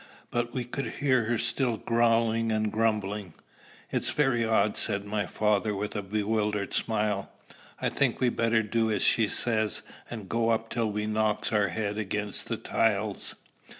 But we could hear her still growling and grumbling. "It's very odd," said my father, with a bewildered smile. "I think we'd better do as she says, and go up till we knock our heads against the tiles."